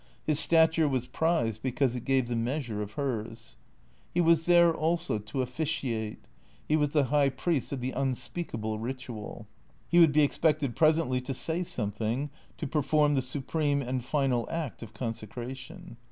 His stature was prized because it gave the measure of hers. He was there also to officiate. He was the high priest of the unspeak able ritual. He would be expected presently to say something, to perform the supreme and final act of consecration.